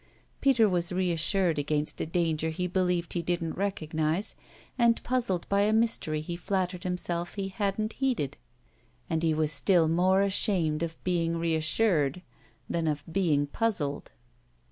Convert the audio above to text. Peter was reassured against a danger he believed he didn't recognise and puzzled by a mystery he flattered himself he hadn't heeded. And he was still more ashamed of being reassured than of being puzzled.